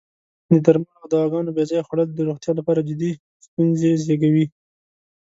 د درملو او دواګانو بې ځایه خوړل د روغتیا لپاره جدی ستونزې زېږوی.